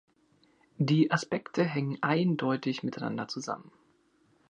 Diese Aspekte hängen eindeutig miteinander zusammen.